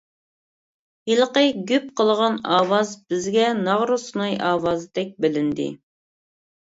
ھېلىقى گۈپ قىلغان ئاۋاز بىزگە ناغرا سۇناي ئاۋازىدەك بىلىندى.